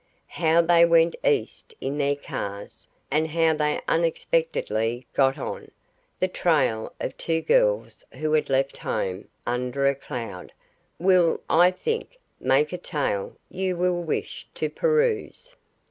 How they went East in their cars, and how they unexpectedly got on, the trail of two girls who had left home under a cloud, will, I think, make a tale you will wish to peruse.